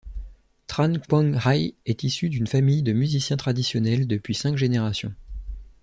Trâǹ Quang Hải est issu d’une famille de musiciens traditionnels depuis cinq générations.